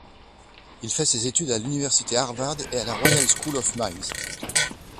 Il fait ses études à l'université Harvard et à la Royal School of Mines.